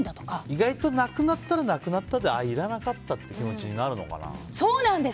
意外となくなったらなくなったでいらなかったって気持ちになるのかな？